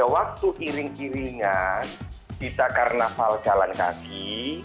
waktu kiring kiringan di takar naval jalan kaki